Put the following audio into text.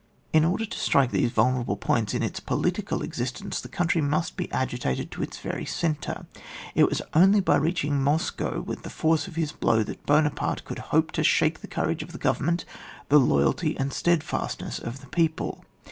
In order to strike theae vulnerable points in its political exiatence, the coimtry must be agitated to its veiy centre. It was only bv reaching Moscow with the force of has blow that Buona« parte could hope to shake the coura^ of the Government, the loyalty and stead* fastness of the people.